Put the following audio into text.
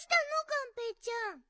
がんぺーちゃん。